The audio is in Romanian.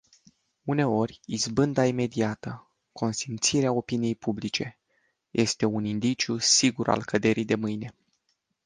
Uneori izbânda imediată, consimțirea opiniei publice, este un indiciu sigur al căderii de mâine.